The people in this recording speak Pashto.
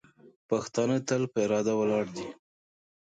پښتانه تل په اراده ولاړ دي.